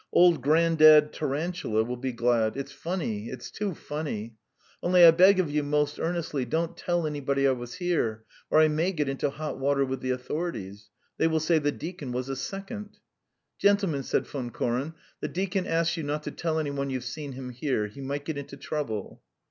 "Old Grandad Tarantula will be glad .... It's funny, it's too funny! Only I beg of you most earnestly don't tell anybody I was there, or I may get into hot water with the authorities. They will say: 'The deacon was a second.'" "Gentlemen," said Von Koren, "the deacon asks you not to tell any one you've seen him here. He might get into trouble."